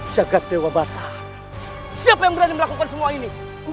jaga tewa batak siapa yang berani melakukan semua ini